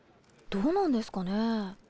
どうなんですかね。